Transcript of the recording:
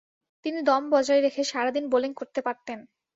তিনি দম বজায় রেখে সারাদিন বোলিং করতে পারতেন।